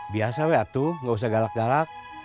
biasa atuh nggak usah galak galak